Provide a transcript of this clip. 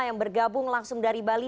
yang bergabung langsung dari bali